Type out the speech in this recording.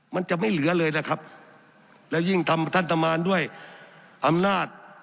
มันจะไม่เหลือเลยนะครับและยิ่งทำท่านทำงานด้วยอำนาจ